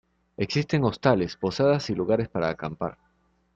Existen hostales, posadas y lugares para acampar.